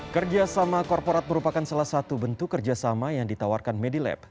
kerjasama korporat merupakan salah satu bentuk kerjasama yang ditawarkan medilab